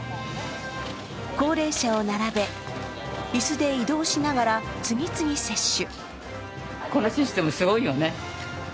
高齢者を並べ椅子で移動しながら次々接種。